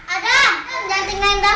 adam adam bangun adam